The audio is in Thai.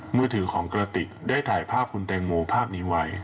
มือถือของกระติกได้ถ่ายภาพคุณแตงโมภาพนี้ไว้